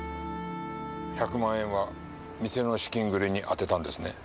１００万円は店の資金繰りに充てたんですね？